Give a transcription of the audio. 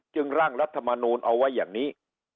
ร่างรัฐมนูลเอาไว้อย่างนี้